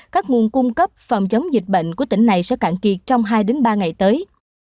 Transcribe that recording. các nguồn cung cấp phòng chống dịch bệnh của tỉnh này sẽ cạn kiệt trong hai ba ngày tới